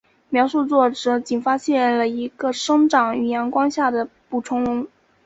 描述作者仅发现了一个生长于阳光下的捕虫笼。